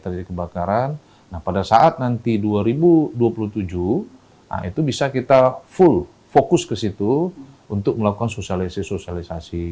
terjadi kebakaran pada saat nanti dua ribu dua puluh tujuh itu bisa kita full fokus ke situ untuk melakukan sosialisasi sosialisasi